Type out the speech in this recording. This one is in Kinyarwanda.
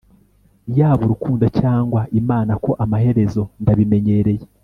Yaba urukundo cyangwa imana Ko amaherezo ndabimenyereye